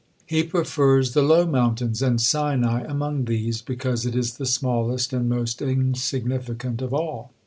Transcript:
He prefers the low mountains, and Sinai among these, because it is the smallest and most insignificant of all.